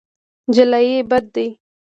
جلايي بد دی.